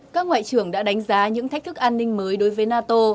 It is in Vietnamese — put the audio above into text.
các ngoại trưởng đã đánh giá những thách thức an ninh mới đối với nato